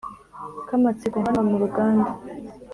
kamatsiko hano muruganda